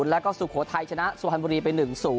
และก็สุโขทัยชนะสวรรค์ภูมิไป๑๐